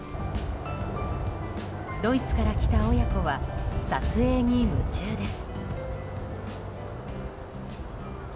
ドイツから来た親子は撮影に夢中です。